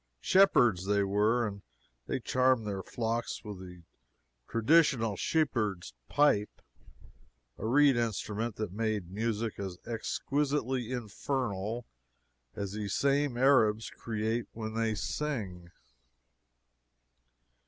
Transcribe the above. Shepherds they were, and they charmed their flocks with the traditional shepherd's pipe a reed instrument that made music as exquisitely infernal as these same Arabs create when they sing.